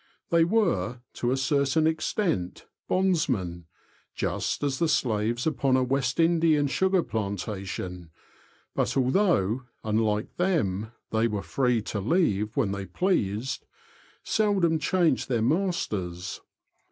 They were, to a certain extent, bondsmen, just as the slaves upon a West Indian sugar planta tion, but although, unlike them, they were free to leave when they pleased, seldom changed their masters.